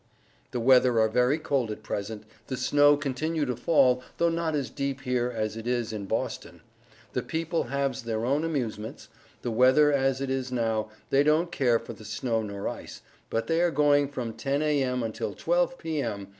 The weather are very cold at Present, the snow continue to fall though not as deep here as it is in Boston. The people haves their own Amousements, the weather as it is now, they don't care for the snow nor ice, but they are going from Ten A.M. until Twelve P.M.